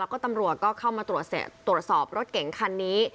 แล้วก็ตำรวจก็เข้ามาตรวจสอบรถเก๋งคันนี้